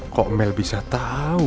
kok mel bisa tau